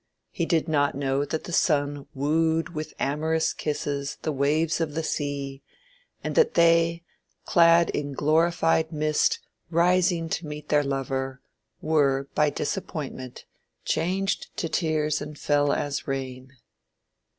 He did not know that the sun wooed with amorous kisses the waves of the sea, and that they, clad in glorified mist rising to meet their lover, were, by disappointment, changed to tears and fell as rain.